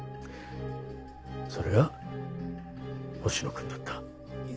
それが星野くんだった。